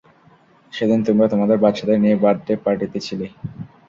সেদিন তোমরা তোমাদের বাচ্চাদের নিয়ে বার্থডে পার্টিতে ছিলে।